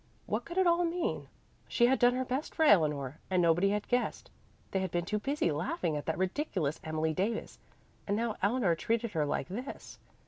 What could it all mean? She had done her best for Eleanor, and nobody had guessed they had been too busy laughing at that ridiculous Emily Davis and now Eleanor treated her like this.